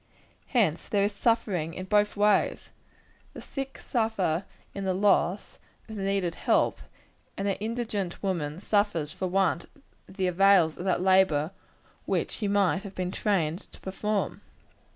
Hence there is suffering in both ways. The sick suffer in the loss of the needed help, and the indigent woman suffers for want of the avails of that labor which she might have been trained to perform.